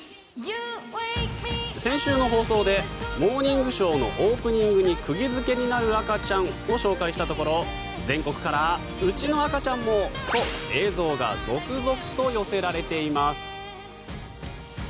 先週の放送で「モーニングショー」のオープニングに釘付けになる赤ちゃんをご紹介したところ全国から、うちの赤ちゃんもと映像が続々と寄せられています。